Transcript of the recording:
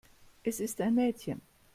Es ist ein Mädchen.